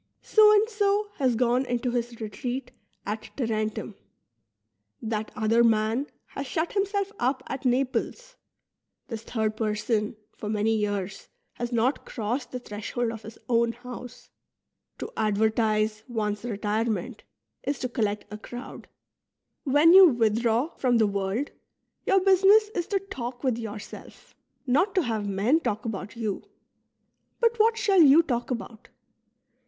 So and so "' has gone into his retreat at Tarentum ; that other man has shut himself up at Naples ; this third person for many 3'ears has not crossed the threshold of his own house. To advertise one's retirement is to collect a crowd. When you withdraw from the world, your business is to talk with yourself, not to have men talk about you. But what shall you talk about